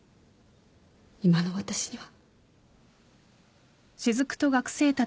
今の私には。